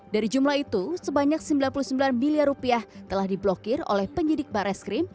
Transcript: dari jumlah itu sebanyak sembilan puluh sembilan miliar rupiah telah diblokir oleh penyidik barreskrim